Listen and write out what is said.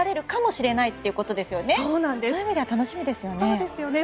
そういう意味では楽しみですね。